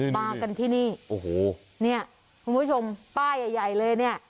มากันที่นี่โอ้โหเนี่ยคุณผู้ชมป้ายใหญ่เลยเนี่ย